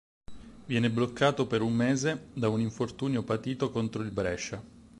Viene bloccato per un mese da un infortunio patito contro il Brescia.